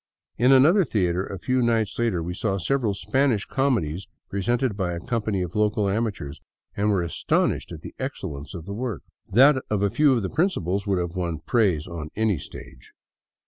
In another theater a few nights later we saw several Spanish comedies presented by a company of local amateurs, and were astonished at the excellence of the work. That of a few of the principals would have won praise on any stage.